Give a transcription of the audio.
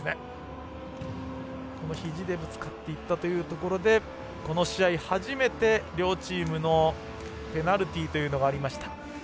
ひじでぶつかっていったというところでこの試合、初めて両チームのペナルティーというのがありました。